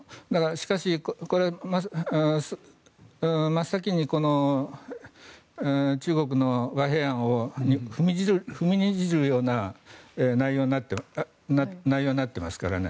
しかし、真っ先にこの中国の和平案を踏みにじるような内容になってますからね。